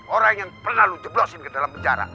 orang yang pernah lu jeblosin ke dalam penjara